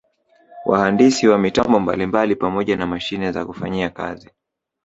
Wahandisi wa mitambo mbalimbali pamoja na mashine za kufanyia kazi